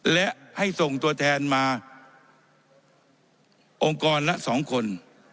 และให้ส่งตัวแทนมาองค์กรละ๒คน